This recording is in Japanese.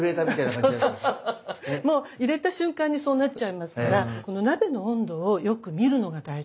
もう入れた瞬間にそうなっちゃいますからこの鍋の温度をよく見るのが大事なんです。